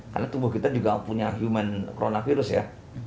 karena tubuh kita juga punya human coronavirus ya